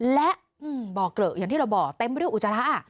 และบ่อเกลอะอย่างที่เราบอกเต็มไปด้วยอุจจาระ